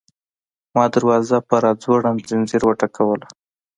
ما دروازه په راځوړند ځنځیر وټکوله.